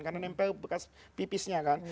karena nempel bekas pipisnya kan